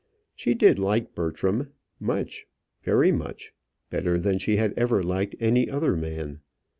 She did like Bertram much, very much, better then she had ever liked any other man.